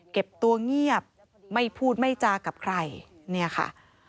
เก็บตัวเงียบไม่พูดไม่จากับใครเนี่ยค่ะ